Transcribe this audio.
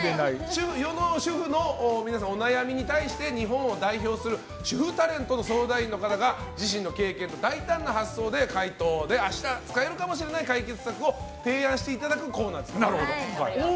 世の主婦の皆さんのお悩みに対して日本を代表する主婦タレントの相談員の方が自身の経験と大胆な発想で明日から使える解決策を提案していただくコーナーです。